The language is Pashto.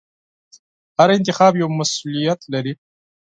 هر انتخاب یو مسوولیت لري.